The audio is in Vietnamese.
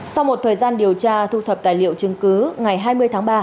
sau một thời gian điều tra thu thập tài liệu chứng cứ ngày hai mươi tháng ba